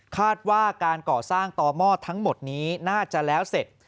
คาดว่าการก่อสร้างต่อหม้อทั้งหมดนี้น่าจะแล้วเสร็จ